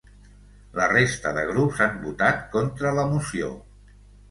La resta de grups han votat contra la moció.